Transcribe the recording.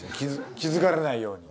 気づかれないように。